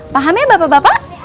paham ya bapak bapak